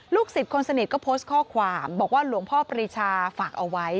สิทธิ์คนสนิทก็โพสต์ข้อความบอกว่าหลวงพ่อปรีชาฝากเอาไว้